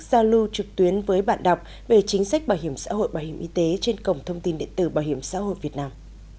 giao lưu trực tuyến với bạn đọc về chính sách bảo hiểm xã hội bảo hiểm y tế trên cổng thông tin điện tử bảo hiểm xã hội việt nam